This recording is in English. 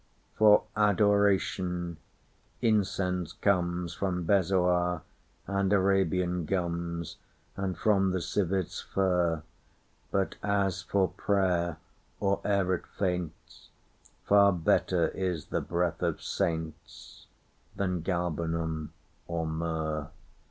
For Adoration, incense comesFrom bezoar, and Arabian gums, And from the civet's fur:But as for prayer, or e'er it faints, Far better is the breath of saintsThan galbanum or myrrh.